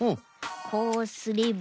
こうすれば。